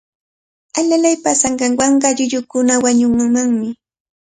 Alalay paasanqanwanqa llullukuna wañunmanmi.